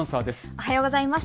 おはようございます。